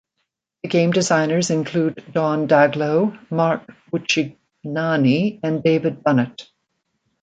The game designers include Don Daglow, Mark Buchignani, and David Bunnett.